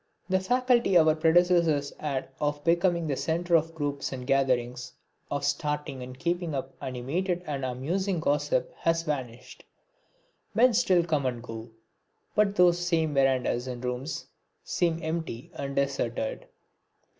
The faculty our predecessors had of becoming the centre of groups and gatherings, of starting and keeping up animated and amusing gossip, has vanished. Men still come and go, but those same verandahs and rooms seem empty and deserted.